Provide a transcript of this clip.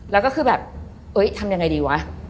แล้วก็คือแบบเอ้ยทำยังไงดีวะ